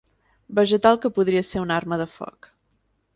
Vegetal que podria ser una arma de foc.